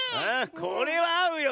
これはあうよ